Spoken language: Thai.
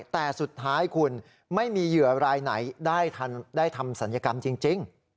แต่สุดท้ายคุณไม่มีเหยื่อรายไหนได้ทำศัลยกรรมจริง